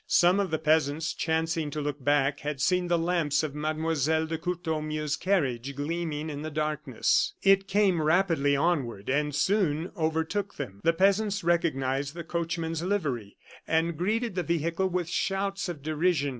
Some of the peasants, chancing to look back, had seen the lamps of Mlle. de Courtornieu's carriage gleaming in the darkness. It came rapidly onward, and soon overtook them. The peasants recognized the coachman's livery, and greeted the vehicle with shouts of derision.